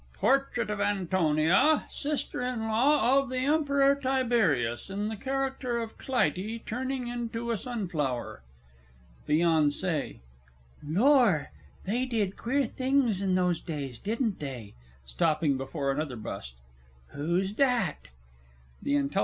"Portrait of Antonia, sister in law of the Emperor Tiberius, in the character of Clytie turning into a sunflower." FIANCÉE. Lor! They did queer things in those days, didn't they? (Stopping before another bust.) Who's that? THE I.